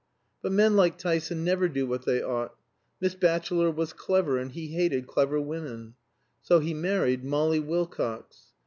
But men like Tyson never do what they ought. Miss Batchelor was clever, and he hated clever women. So he married Molly Wilcox.